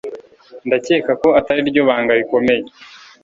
ndakeka ko atariryo banga rikomeye